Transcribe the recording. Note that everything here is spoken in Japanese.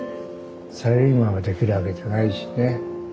サラリーマンができるわけじゃないしね。